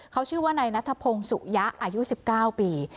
เขาชื่อว่านายนัทพงศุยะอายุ๑๙ปี